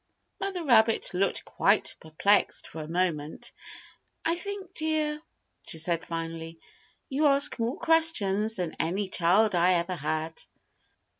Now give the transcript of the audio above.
Mother rabbit looked quite perplexed for a moment. "I think, dear," she said finally, "you ask more questions than any child I ever had."